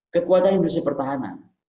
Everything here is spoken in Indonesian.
kekuatan industri pertahanan